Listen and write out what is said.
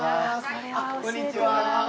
あっこんにちは。